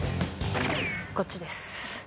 こっちです。